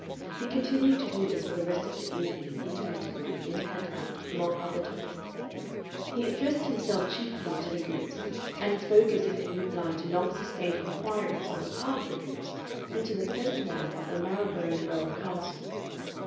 He continued to do this for the rest of the evening intermittently, in and out, among other topics. He addressed himself chiefly to Goopes, and spoke as if in reply to long sustained inquiries on the part of Goopes into the personnel of the Marylebone Borough Council.